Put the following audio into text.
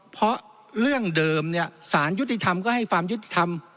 เพราะเรื่องเดิมเนี่ยสารยุติธรรมก็ให้ความยุติธรรม